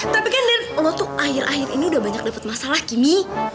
tapi kan lu tuh akhir akhir ini udah banyak dapet masalah kimi